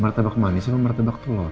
matabak manis apa matabak telur